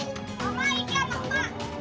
di sisi lainnya